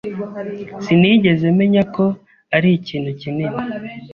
Sinigeze menya ko ari ikintu kinini.